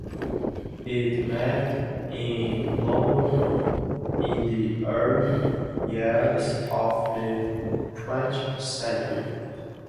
It met in London in the early years of the twentieth century.